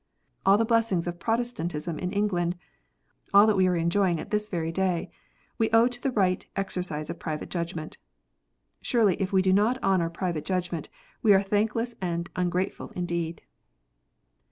All the blessings of Protestantism in England, all that we are enjoying at this very day, we owe to the right exercise of private judgment. Surely if we do not honour private judgment, we are thankless and ungrateful indeed